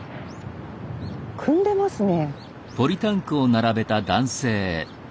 汲んでますね。